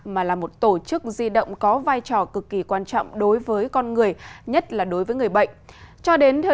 mà là một tổ chức di động có vai trò cực kỳ quan trọng đối với con người nhất là đối với người bệnh